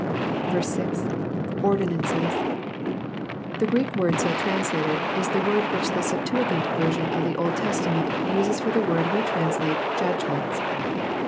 6. — [Ordinances.] The Greek word so translated, is the word which the Septuagint version of the Old Testament uses for the word we translate '^judgments."